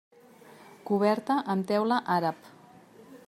Coberta amb teula àrab.